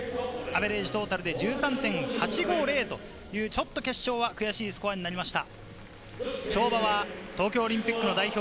アベレージトータルで１３．８５０という、ちょっと決勝は悔しいスコアになりました。